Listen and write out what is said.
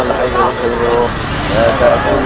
kalian tidak menyesal saat ini dan sekali lagi